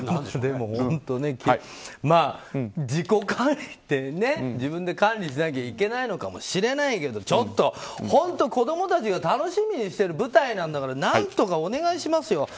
自己管理って自分で管理しなきゃいけないのかもしれないけどちょっと本当に子供たちが楽しみにしてる舞台なんだから何とかお願いしますよ。